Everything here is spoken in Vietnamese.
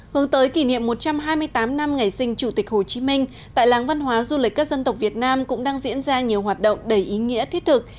hướng tới kỷ niệm một trăm hai mươi tám năm ngày sinh chủ tịch hồ chí minh tại làng văn hóa du lịch các dân tộc việt nam cũng đang diễn ra nhiều hoạt động đầy ý nghĩa thiết thực